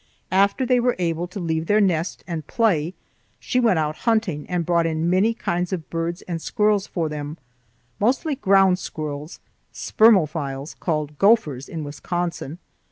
After they were able to leave their nest and play, she went out hunting and brought in many kinds of birds and squirrels for them, mostly ground squirrels (spermophiles), called "gophers" in Wisconsin.